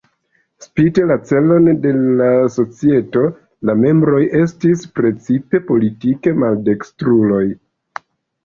Spite la celon de la societo la membroj estis precipe politike maldekstruloj.